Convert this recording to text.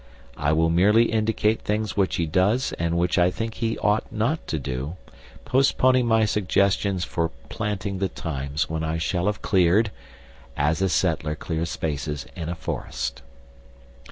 I will merely indicate things which he does and which I think he ought not to do, postponing my suggestions for "planting" the times which I shall have cleared as a settler clears spaces in a forest.